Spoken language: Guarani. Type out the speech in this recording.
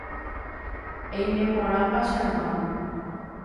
Eime porãpa che hermano.